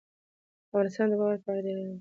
افغانستان د واورو په اړه ډېرې علمي څېړنې لري.